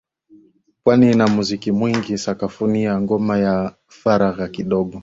pwani ina muziki mwingi sakafu ya ngoma na faragha kidogo